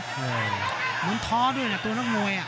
เหมือนท้อด้วยนะตัวนักมวย